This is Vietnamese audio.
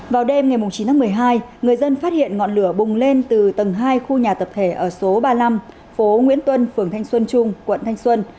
vào đêm ngày chín tháng một mươi hai người dân phát hiện ngọn lửa bùng lên từ tầng hai khu nhà tập thể ở số ba mươi năm phố nguyễn tuân phường thanh xuân trung quận thanh xuân